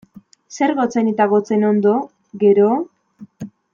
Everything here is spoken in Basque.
Zer gotzain eta gotzainondo, gero?